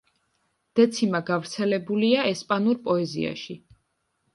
დეციმა გავრცელებულია ესპანურ პოეზიაში.